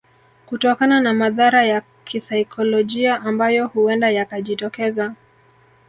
Kutokana na madhara ya kisaikolojia ambayo huenda yakajitokeza